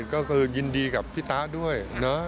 ก็คือยินดีกับพี่ตะด้วยนะ